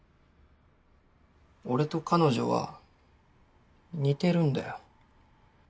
俺と彼女は似てるんだよ。